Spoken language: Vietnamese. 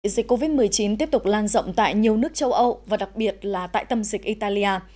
dịch covid một mươi chín tiếp tục lan rộng tại nhiều nước châu âu và đặc biệt là tại tâm dịch italia